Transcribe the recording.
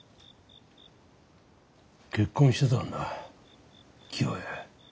結婚してたんだ清恵。